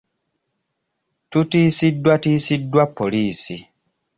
Tutiisiddwatiisiddwa poliisi.